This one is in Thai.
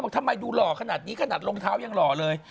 ทำไมดูหล่อขนาดนี้ขนาดรองเท้ายังหล่อเลย